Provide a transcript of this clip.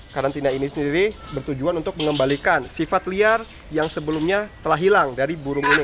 karantina ini sendiri bertujuan untuk mengembalikan sifat liar yang sebelumnya telah hilang dari burung ini